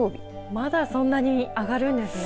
まだそんなに上がるんですね。